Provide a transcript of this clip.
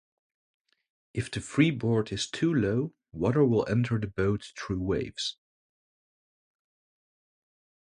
If the freeboard is too low, water will enter the boat through waves.